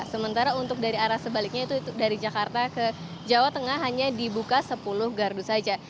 sementara untuk dari arah sebaliknya itu dari jakarta ke jawa tengah hanya dibuka sepuluh gardu saja